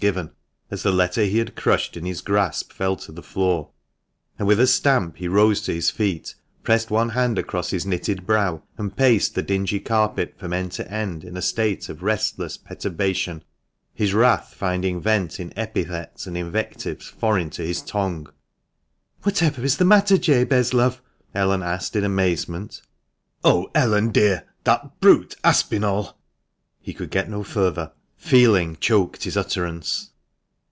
"Brute! ruffian!" burst from his lips, as the letter he had crushed in his grasp fell to the floor ; and with a stamp he rose to his feet, pressed one hand across his knitted brows, and paced the dingy carpet from end to end in a state of restless perturbation, his wrath finding vent in epithets and invectives foreign to his tongue. "Whatever is the matter, Jabez, love?" Ellen asked in amazement. "Oh, Ellen, dear! that brute Aspinall ." He could get no further. Feeling choked his utterance.